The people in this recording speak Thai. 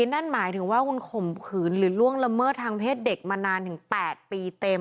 นั่นหมายถึงว่าคุณข่มขืนหรือล่วงละเมิดทางเพศเด็กมานานถึง๘ปีเต็ม